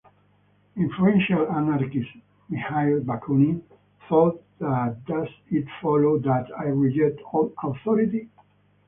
Influential anarchist Mikhail Bakunin thought that Does it follow that I reject all authority?